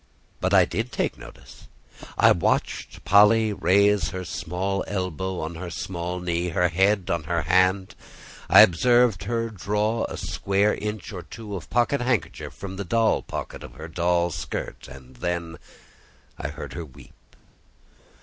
But I did take notice: I watched Polly rest her small elbow on her small knee, her head on her hand; I observed her draw a square inch or two of pocket handkerchief from the doll pocket of her doll skirt, and then I heard her weep.